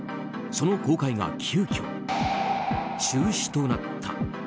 その公開が急きょ、中止となった。